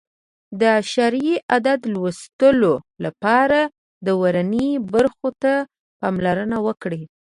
د اعشاري عدد لوستلو لپاره د ورنیې برخو ته پاملرنه وکړئ.